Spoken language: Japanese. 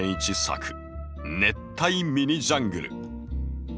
作「熱帯ミニジャングル」。